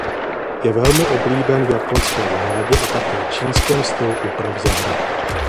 Je velmi oblíben v japonské zahradě a také čínském stylu úprav zahrad.